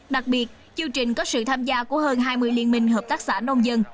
đặc biệt chương trình có sự tham gia của hơn hai mươi liên minh hợp tác xã nông dân